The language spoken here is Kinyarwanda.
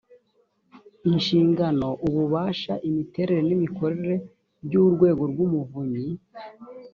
inshingano ububasha imiterere n’imikorere by’urwego rw’umuvunyi